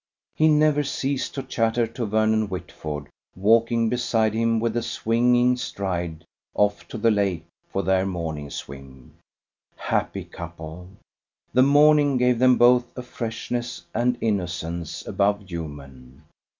He never ceased to chatter to Vernon Whitford walking beside him with a swinging stride off to the lake for their morning swim. Happy couple! The morning gave them both a freshness and innocence above human.